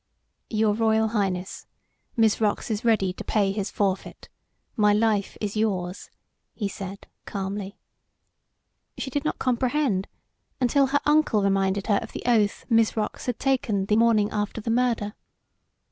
"Your Royal Highness, Mizrox is ready to pay his forfeit. My life is yours," he said, calmly. She did not comprehend until her uncle reminded her of the oath Mizrox had taken the morning after the murder.